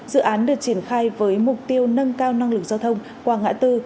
dự án được triển khai với mục tiêu nâng cao năng lực giao thông qua ngã tư